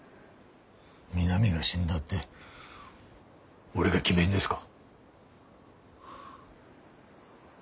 美波が死んだって俺が決めんですか。